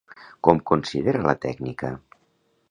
Com considera la tècnica?